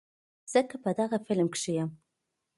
ځکه په دغه فلم کښې هم